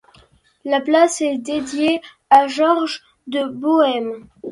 La place est dédiée à Georges de Bohême.